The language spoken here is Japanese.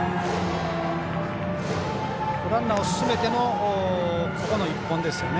ランナーを進めてのここの一本ですね。